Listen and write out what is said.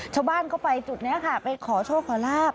ชาวบ้านก็ไปจุดนี้ค่ะไปขอโชคขอลาบ